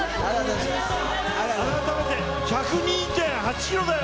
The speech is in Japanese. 改めて１０２．８キロだよ。